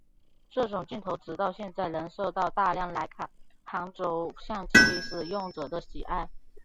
这种镜头直到现在仍受到大量莱卡旁轴相机使用者的喜爱。